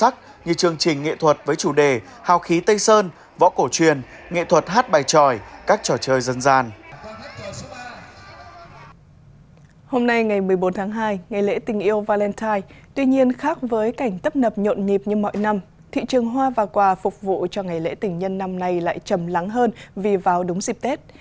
thị trường hoa và quà phục vụ cho ngày lễ tỉnh nhân năm nay lại chầm lắng hơn vì vào đúng dịp tết